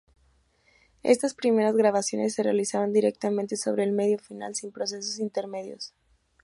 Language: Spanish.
Estas primeras grabaciones se realizaban directamente sobre el medio final, sin procesos intermedios.